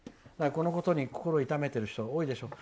このことに心を痛めている方多いでしょう。